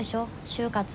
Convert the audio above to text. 就活。